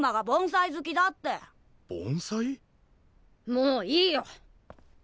もういいよ！